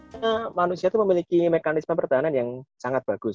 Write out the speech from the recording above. karena manusia itu memiliki mekanisme pertahanan yang sangat bagus